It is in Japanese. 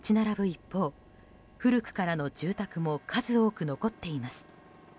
一方古くからの住宅も数多く残っています。